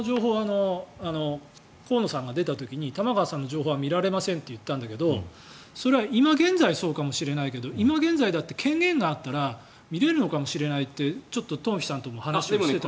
僕の情報河野さんが出た時に玉川さんの情報は見られませんって言ったんだけどそれは今現在そうかもしれないけど今現在だって権限があったら見れるのかもしれないって東輝さんと話していた。